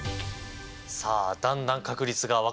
さあだんだん確率が分かってきました。